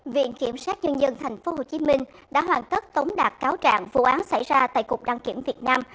viện kiểm sát nhân dân tp hcm đã hoàn tất tống đạt cáo trạng vụ án xảy ra tại cục đăng kiểm việt nam